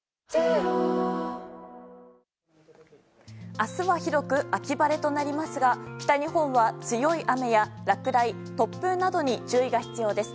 明日は広く秋晴れとなりますが北日本は強い雨や落雷突風などに注意が必要です。